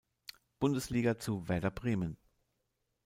Bundesliga zu Werder Bremen.